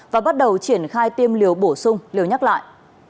và bắt đầu triển khai tiêm liều bổ sung liều nhắc lại